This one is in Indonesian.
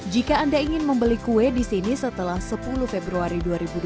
jika anda ingin membeli kue di sini setelah sepuluh februari dua ribu dua puluh